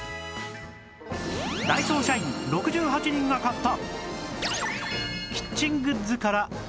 ダイソー社員６８人が買った